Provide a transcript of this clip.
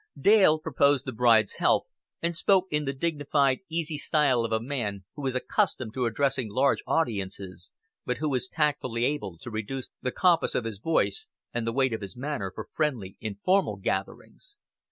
Dale proposed the bride's health, and spoke in the dignified easy style of a man who is accustomed to addressing large audiences, but who is tactfully able to reduce the compass of his voice and the weight of his manner for friendly informal gatherings.